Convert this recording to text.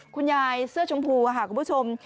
คุณยายเสื้อชมพูค่ะคุณผู้ชม